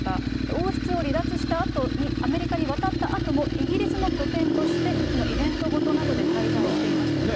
王室を離脱したあとに、アメリカに渡ったあとも、イギリスの拠点として、そのイベントごとなどで滞在していましたよね。